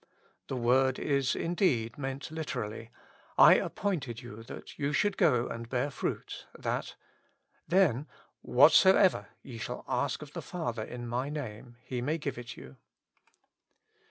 The word is indeed meant literally: '* I ap pointed you that ye should go and bear fruit, //^a/, " then, "whatsoever ye shall ask of the Father in my name, he may give it you."